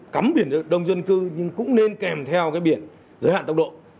cắm biển đông dân cư nhưng cũng nên kèm theo cái biển giới hạn tốc độ